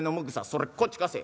それこっち貸せ。